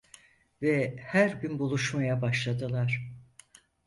Ve her gün buluşmaya başladılar.